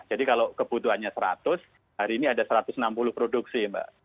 jadi kalau kebutuhannya seratus hari ini ada satu ratus enam puluh produksi